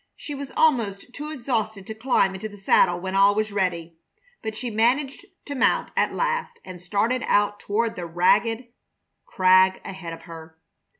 She was almost too exhausted to climb into the saddle when all was ready; but she managed to mount at last and started out toward the rugged crag ahead of her.